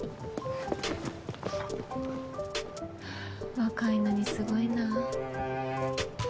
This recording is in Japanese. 若いのにすごいな。